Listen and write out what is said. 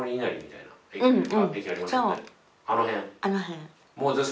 あの辺。